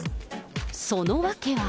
その訳は。